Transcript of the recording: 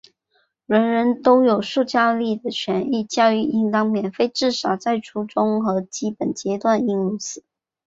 人人都有受教育的权利,教育应当免费,至少在初级和基本阶段应如此。